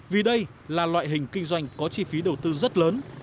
vì đây là loại hình kinh doanh có chi phí đầu tư rất lớn